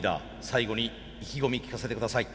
最後に意気込み聞かせて下さい。